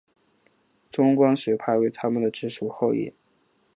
中观学派为他们的直系后裔。